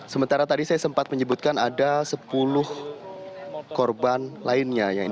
sementara tadi saya sempat menyebutkan ada sepuluh korban lainnya